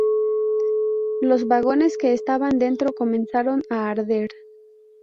Los vagones que estaban dentro comenzaron a arder.